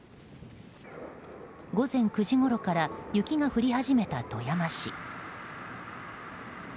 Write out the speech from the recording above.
午前９時ごろから雪が降り始めた富山市。